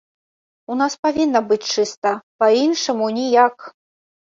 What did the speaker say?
У нас павінна быць чыста, па іншаму ніяк.